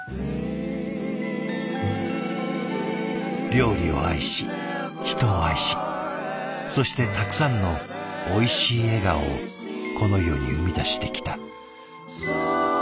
料理を愛し人を愛しそしてたくさんのおいしい笑顔をこの世に生み出してきた。